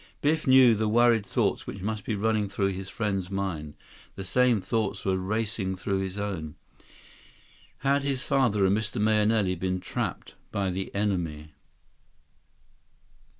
Biff knew the worried thoughts which must be running through his friend's mind. The same thoughts were racing through his own. Had his father and Mr. Mahenili been trapped by the enemy?